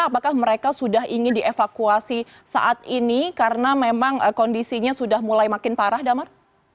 apakah mereka sudah ingin dievakuasi saat ini karena memang kondisinya sudah mulai makin parah damar